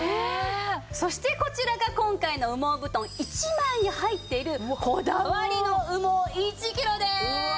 そしてこちらが今回の羽毛布団１枚に入っているこだわりの羽毛１キロです。